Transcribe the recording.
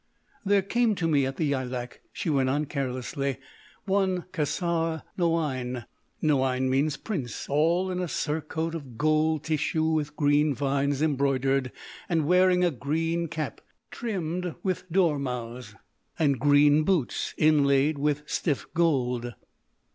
"There came to me at the yaïlak," she went on carelessly, "one Khassar Noïane—Noïane means Prince—all in a surcoat of gold tissue with green vines embroidered, and wearing a green cap trimmed with dormouse, and green boots inlaid with stiff gold....